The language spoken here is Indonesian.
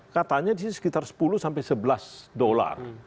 katanya disini sekitar sepuluh sampai sebelas dolar